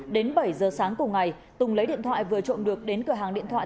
đến bảy giờ sáng cùng ngày tùng lấy điện thoại vừa trộm được đến cửa hàng điện thoại